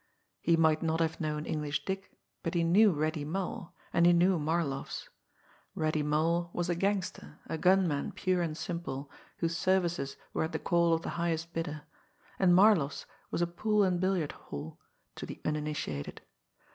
He might not have known English Dick, but he knew Reddy Mull, and he knew Marloff's! Reddy Mull was a gangster, a gunman pure and simple, whose services were at the call of the highest bidder; and Marlopp's was a pool and billiard hall to the uninitiated.